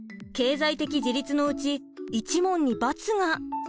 経済的自立のうち１問に×が。